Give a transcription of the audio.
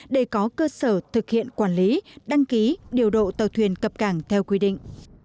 để có cơ sở thực hiện quản lý đăng ký điều độ tàu thuyền cập cảng theo quy định